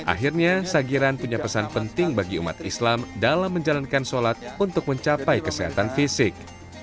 akhirnya sagiran punya pesan penting bagi umat islam dalam menjalankan sholat untuk mencapai kesehatan fisik